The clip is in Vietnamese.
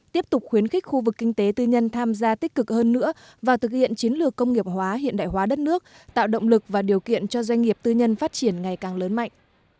tiếp tục khuyến khích khu vực kinh tế tư nhân tham gia tích cực hơn nữa vào thực hiện chiến lược công nghiệp hóa hiện đại hóa đất nước tạo động lực và điều kiện cho doanh nghiệp tư nhân phát triển ngày càng lớn mạnh